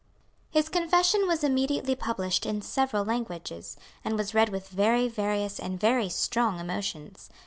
His confession was immediately published in several languages, and was read with very various and very strong emotions.